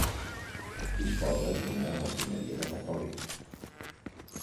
Disposa d'una refineria de petroli.